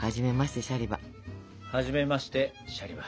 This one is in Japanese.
はじめましてシャリバ。